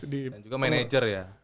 dan juga manager ya